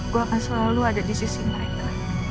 gue akan selalu ada di sisi mereka